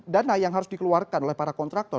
dana yang harus dikeluarkan oleh para kontraktor